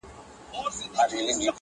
شهید سيد عبدالاله کور وو